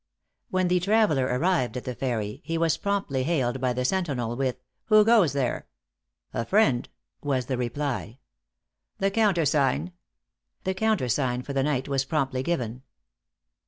When the traveller arrived at the ferry, he was promptly hailed by the sentinel, with "Who goes there?" "A friend," was the reply. "The countersign!" The countersign for the night was promptly given.